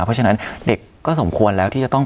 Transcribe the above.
เพราะฉะนั้นเด็กก็สมควรแล้วที่จะต้อง